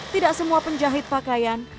tidak semua penjahit pakaian